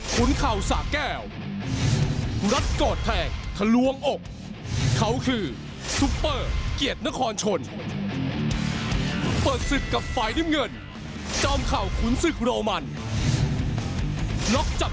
กูแดกเปิดหัวของเราวันนี้นะครับ